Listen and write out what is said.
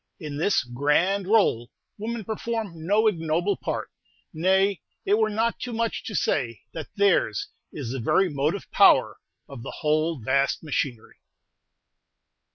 In this "grand rôle" women perform no ignoble part; nay, it were not too much to say that theirs is the very motive power of the whole vast machinery.